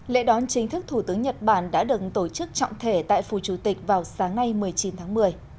lễ đón chính thức thủ tướng nhật bản đã được tổ chức trọng thể tại phù chủ tịch vào sáng nay một mươi chín tháng một mươi